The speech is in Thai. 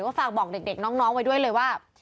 ก็ฝากบอกเด็กน้องไว้ด้วยเลยว่า